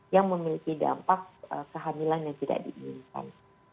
yang memiliki dampak kehamilan yang tidak diinginkan